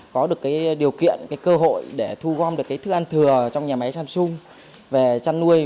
có được cái điều kiện cơ hội để thu gom được cái thức ăn thừa trong nhà máy samsung về chăn nuôi